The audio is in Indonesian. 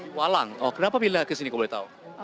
di walang oh kenapa pilih kesini kalau boleh tahu